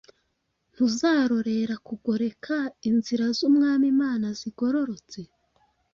ntuzarorera kugoreka inzira z’umwami Imana zigororotse?